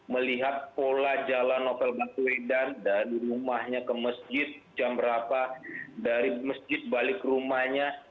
melihat pola jalan novel baswedan dari rumahnya ke masjid jam berapa dari masjid balik rumahnya